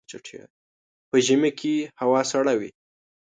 په ژمي کي هوا سړه وي.